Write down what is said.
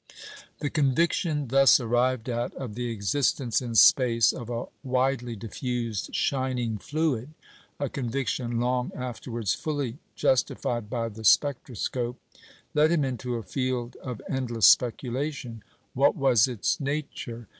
" The conviction thus arrived at of the existence in space of a widely diffused "shining fluid" (a conviction long afterwards fully justified by the spectroscope) led him into a field of endless speculation. What was its nature?